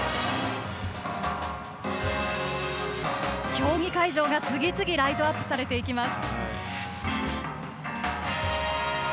競技会場が次々ライトアップされていきます。